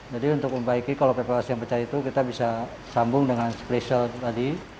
jadi untuk membaiki kalau preparasi yang pecah itu kita bisa sambung dengan spreser tadi